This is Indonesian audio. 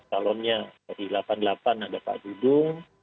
calonnya dari delapan puluh delapan ada pak dudung